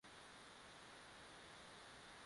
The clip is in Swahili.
aa nafasi yote katika siasa za nchi